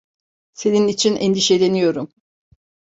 Senin için endişeleniyorum.